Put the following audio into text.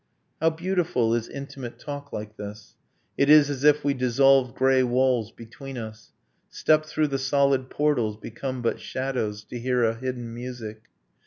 'How beautiful is intimate talk like this! It is as if we dissolved grey walls between us, Stepped through the solid portals, become but shadows, To hear a hidden music